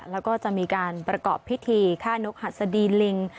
แล้วก็จะมีการประกอบพิธีฆ่านกหัสดีลิง